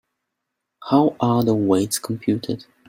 How are the weights computed?